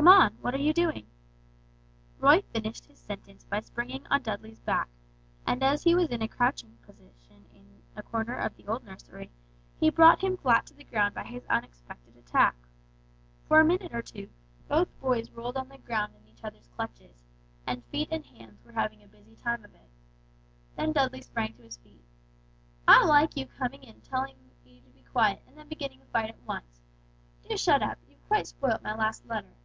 Come on! What are you doing?" Roy finished his sentence by springing on Dudley's back, and as he was in a crouching attitude in a corner of the old nursery, he brought him flat to the ground by his unexpected attack. For a minute or two both boys rolled on the ground in each other's clutches, and feet and hands were having a busy time of it. Then Dudley sprang to his feet. "I like you coming in to tell me to be quiet, and then beginning a fight at once! Do shut up! You've quite spoilt my last letter!"